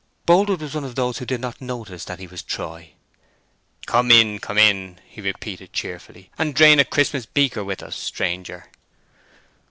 Boldwood was among those who did not notice that he was Troy. "Come in, come in!" he repeated, cheerfully, "and drain a Christmas beaker with us, stranger!"